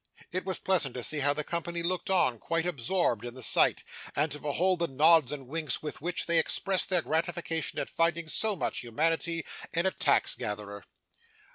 It was pleasant to see how the company looked on, quite absorbed in the sight, and to behold the nods and winks with which they expressed their gratification at finding so much humanity in a tax gatherer.